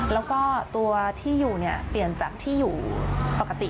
แล้วก็ตัวที่อยู่เนี่ยเปลี่ยนจากที่อยู่ปกติ